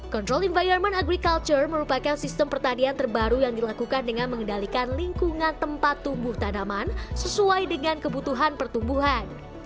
control environment agriculture merupakan sistem pertanian terbaru yang dilakukan dengan mengendalikan lingkungan tempat tumbuh tanaman sesuai dengan kebutuhan pertumbuhan